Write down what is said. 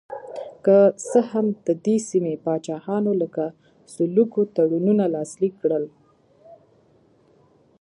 که څه هم د دې سیمې پاچاهانو لکه سلوکو تړونونه لاسلیک کړل.